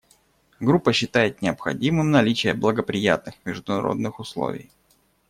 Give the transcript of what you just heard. Группа считает необходимым наличие благоприятных международных условий.